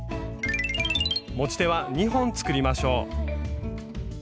持ち手は２本作りましょう。